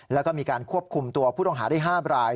แล้วก็มีการควบคุมตัวผู้ต้องหาได้๕ราย